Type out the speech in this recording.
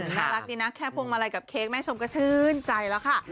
น่ารักดีนะแค่พวงมาลัยกับเค้กแม่ชมก็ชื่นใจแล้วค่ะ